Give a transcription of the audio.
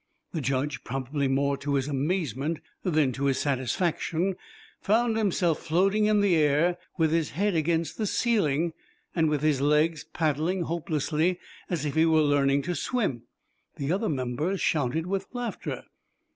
The Judge, probably more to his amazement than to his satisfaction, found himself floating in the air with his head against the ceiling, and with his legs paddling hopelessly as if he were learning to swim. The other members shouted with laughter.